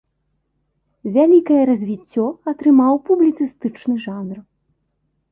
Вялікае развіццё атрымаў публіцыстычны жанр.